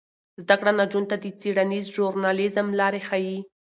زده کړه نجونو ته د څیړنیز ژورنالیزم لارې ښيي.